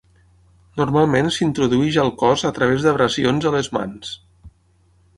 Normalment s'introdueix al cos a través d'abrasions a les mans.